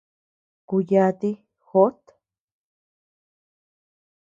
Kuu yati jót.